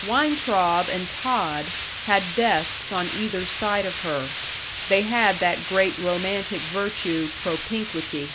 Weintraub and Todd had desks on either side of her; they had that great romantic virtue, propinquity.